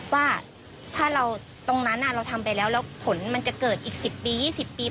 ว่าถ้าเราตรงนั้นเราทำไปแล้วแล้วผลมันจะเกิดอีก๑๐ปี๒๐ปี